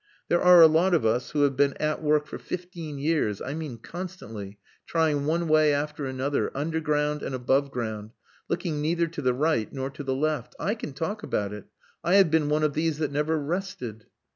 There are a lot of us who have been at work for fifteen years I mean constantly trying one way after another, underground and above ground, looking neither to the right nor to the left! I can talk about it. I have been one of these that never rested....